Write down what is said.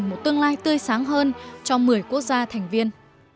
một tương lai tươi sáng hơn cho một mươi quốc gia thành viên